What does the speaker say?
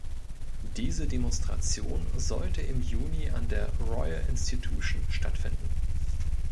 Diese Demonstration sollte im Juni an der Royal Institution stattfinden.